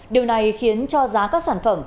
điều này khiến cho giá các sản phẩm